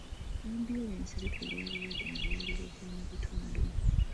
Ambyulensi zitwala abalwadde mu malwaliro go mu bitundu.